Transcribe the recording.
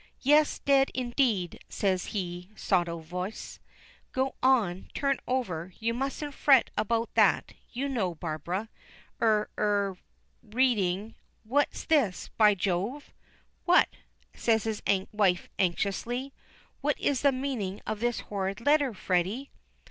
"Yes, dead indeed," says he sotto voce. "Go on, turn over; you mustn't fret about that, you know. Barbara er er " reading. "What's this? By Jove!" "What?" says his wife anxiously. "What is the meaning of this horrid letter, Freddy?"